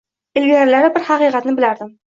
Ilgarilari bir haqiqatni bilardim.